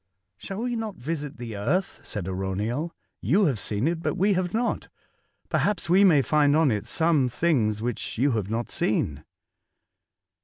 "Shall we not visit the earth?" said AraunieL ''You have seen it, but we have not. Perhaps we may find on it some things which you have not seen."